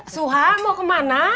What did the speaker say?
suha mau kemana